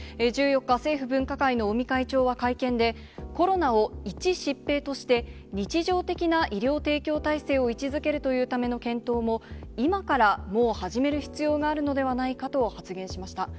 １４日、政府分科会の尾身会長は会見で、コロナを一疾病として、日常的な医療提供体制を位置づけるというための検討も、今からもう始める必要があるのではないかと発言しました。